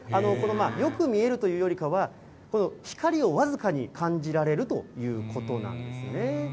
よく見えるというよりかは、光を僅かに感じられるということなんですね。